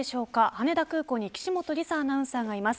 羽田空港に岸本理沙アナウンサーがいます。